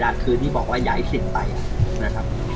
แล้วคือที่บอกว่าย้ายเสร็จไปนะครับ